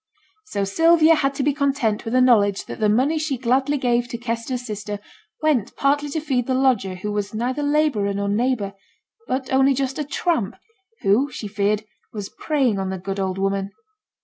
So Sylvia had to be content with the knowledge that the money she gladly gave to Kester's sister went partly to feed the lodger who was neither labourer nor neighbour, but only just a tramp, who, she feared, was preying on the good old woman.